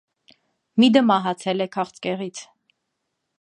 Միդը մահացել է քաղցկեղից։